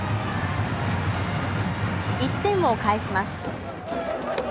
１点を返します。